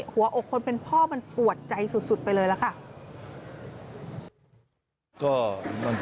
หัวอกคนเป็นพ่อมันปวดใจสุดไปเลยล่ะค่ะ